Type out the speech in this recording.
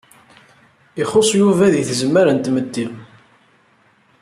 Ixuṣṣ Yuba di tzemmar n tmetti.